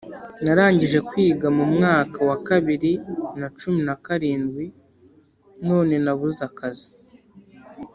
Narangije kwiga mumwaka wa bibiri na cumi na karindwi none nabuze akazi